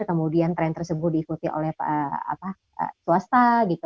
kemudian trend tersebut diikuti oleh swasta gitu